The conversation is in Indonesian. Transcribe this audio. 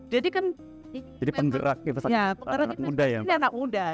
jadi kan ini anak muda